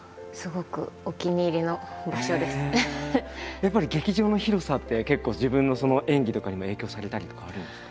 やっぱり劇場の広さって結構自分の演技とかにも影響されたりとかはあるんですか？